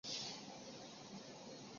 丁鹏仍称谢晓峰为天下第一剑客。